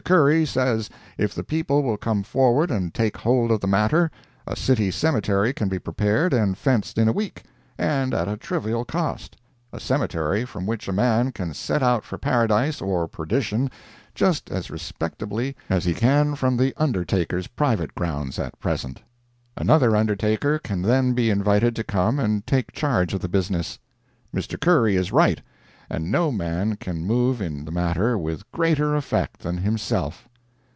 Curry says if the people will come forward and take hold of the matter, a city cemetery can be prepared and fenced in a week, and at a trivial cost—a cemetery from which a man can set out for Paradise or perdition just as respectably as he can from the undertaker's private grounds at present. Another undertaker can then be invited to come and take charge of the business. Mr. Curry is right—and no man can move in the matter with greater effect than himself.